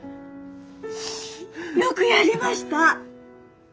よくやりました！